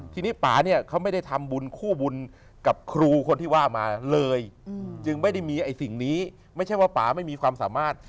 ทีนี้ป่าเนี่ยเขาไม่ได้ทำบุญคู่บุญกับครูคนที่ว่ามาเลยจึงไม่ได้มีไอ้สิ่งนี้ไม่ใช่ว่าป่าไม่มีความสามารถ